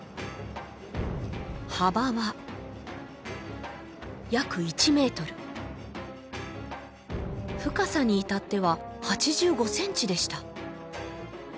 幅は約１ｍ深さにいたっては８５ｃｍでした